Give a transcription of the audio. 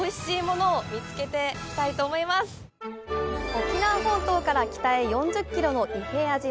沖縄本島から北へ４０キロの伊平屋島。